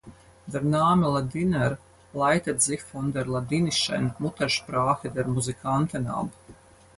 Der Name "Ladiner" leitet sich von der ladinischen Muttersprache der Musikanten ab.